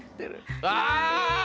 あ！